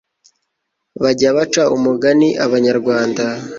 bajya baca umugani abanyarwanda